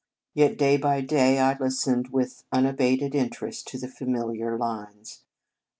Yet day by day I listened with unabated interest to the familiar lines.